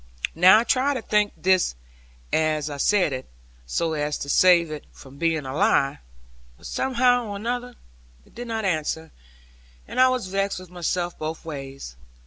Now I tried to think this as I said it, so as to save it from being a lie; but somehow or other it did not answer, and I was vexed with myself both ways.